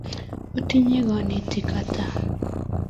otinye kanetik ata